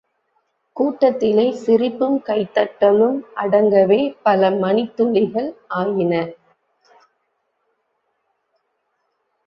கூட்டத்திலே சிரிப்பும் கைதட்டலும் அடங்கவே பல மணித்துளிகள் ஆயின.